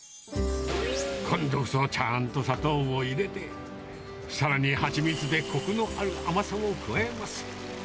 今度こそはちゃんと砂糖を入れて、さらに蜂蜜でこくのある甘さを加えます。